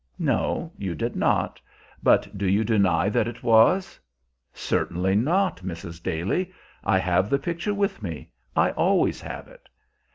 "No; you did not. But do you deny that it was?" "Certainly not, Mrs. Daly. I have the picture with me; I always have it."